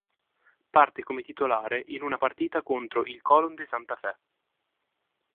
Parte come titolare in una partita contro il Colón de Santa Fe.